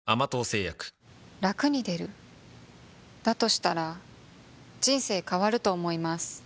したら人生変わると思います